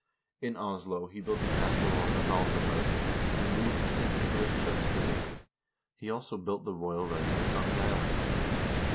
In Oslo he built a castle on the Vaalkaberg, and moved the St. Nicolas church thither; he also built the royal residence in the islands.